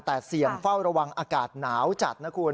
แต่เสี่ยงเฝ้าระวังอากาศหนาวจัดนะคุณ